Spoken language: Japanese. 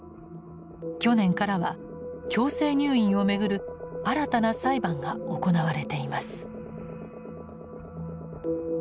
去年からは強制入院をめぐる新たな裁判が行われています。